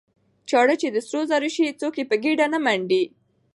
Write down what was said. ـ چاړه چې د سرو زرو شي څوک يې په ګېډه نه منډي.